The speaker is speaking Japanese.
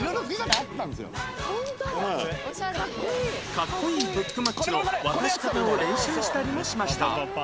かっこいいブックマッチの渡し方を練習したりもしました